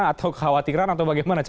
atau khawatiran atau bagaimana